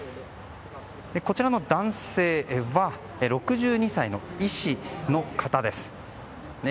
こちらの男性は６２歳の医師の方です。